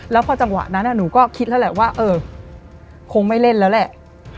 แล้วพอจังหวะนั้นหนูก็คิดแล้วแหละว่าเออคงไม่เล่นแล้วแหละ